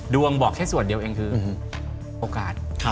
บอกแค่ส่วนเดียวเองคือโอกาส